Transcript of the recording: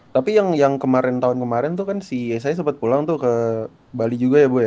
tapi yang kemarin tahun kemarin tuh kan si saya sempat pulang tuh ke bali juga ya bu ya